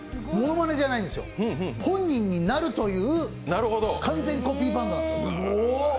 ものまねじゃないんですよ、本人になるという完全コピーバンドなんです。